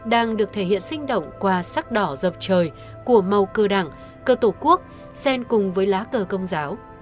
đang được thể hiện sinh động qua sắc đỏ dọc trời của màu cơ đảng cơ tổ quốc xen cùng với lá cờ công giáo